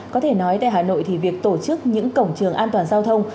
có thể nói tại hà nội thì việc tổ chức những cổng trường an toàn giao thông